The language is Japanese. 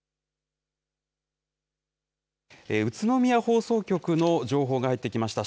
宇都宮放送局の情報が入ってきました。